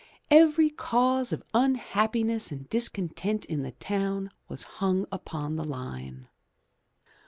Every cause of imhappiness and discontent in the town was hung upon the line.